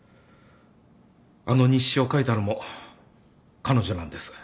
あの日誌を書いたのも彼女なんです。